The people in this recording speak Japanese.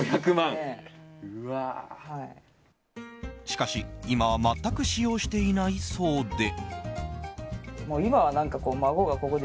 しかし、今は全く使用していないそうで。